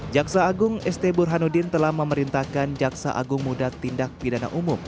jaksa agung st burhanuddin telah memerintahkan jaksa agung muda tindak pidana umum